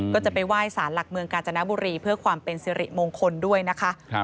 ก็จะไปไหว้สารหลักเมืองกาญจนบุรีเพื่อความเป็นสิริมงคลด้วยนะคะ